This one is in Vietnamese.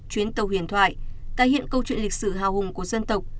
chuyến tàu huyền thoại tái hiện câu chuyện lịch sử hào hùng của dân tộc